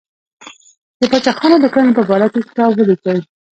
د پاچاهانو د کړنو په باره کې کتاب ولیکي.